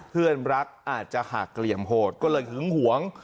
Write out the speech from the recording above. เพื่อนรักอาจจะหักเหลี่ยมโหดก็เลยหึงหวง